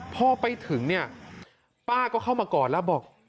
พ่อไปถึงป้าก็เข้ามาก่อนแล้วบอก